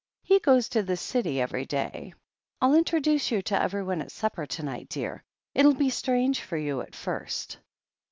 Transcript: He goes to the City every day. I'll introduce you to everyone at supper to night, dear. It'll be strange for you at first."